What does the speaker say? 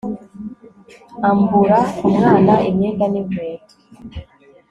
ambura umwana imyenda n'inkweto